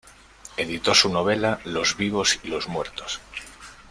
Editó su novela "Los vivos y los muertos".